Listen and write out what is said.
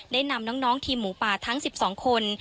ได้นำน้องทีมหมูป่าทั้ง๑๒คน